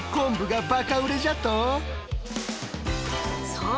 そう！